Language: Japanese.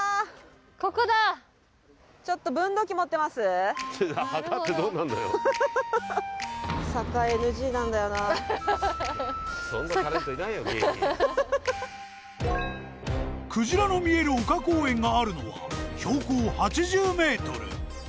ここだクジラの見える丘公園があるのは標高８０メートル